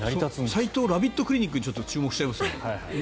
さいとうラビットクリニックに注目しちゃいますね。